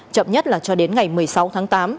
chậm nhất là cho đến ngày một mươi sáu tháng tám